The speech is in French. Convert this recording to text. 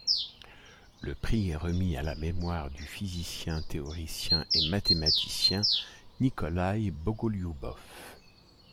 Le prix est remis à la mémoire du physicien théoricien et mathématicien Nikolaï Bogolioubov.